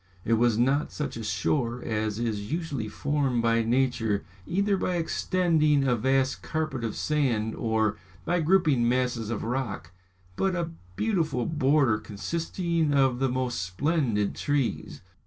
It was not such a shore as is usually formed by nature, either by extending a vast carpet of sand, or by grouping masses of rock, but a beautiful border consisting of the most splendid trees.